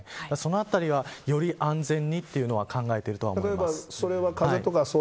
そのあたりは、より安全にというのは考えているとは思います。